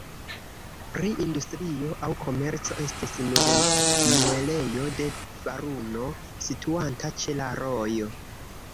Pri industrio aŭ komerco estis nur muelejo de faruno, situanta ĉe la rojo.